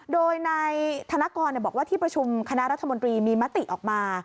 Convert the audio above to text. โดยนายธนกรบอกว่าที่ประชุมคณะรัฐมนตรีมีมติออกมา